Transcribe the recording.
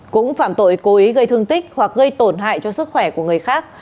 cũng phạm tội cố ý gây thương tích hoặc gây tổn hại cho sức khỏe của người khác